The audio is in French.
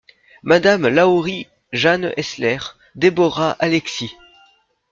Madame lahorie JANE ESSLER. deborah ALEXIS.